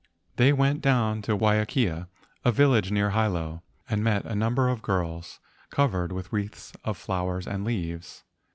They went down to Waiakea, a village near Hilo, and met a number of girls covered with wreaths of flowers and leaves.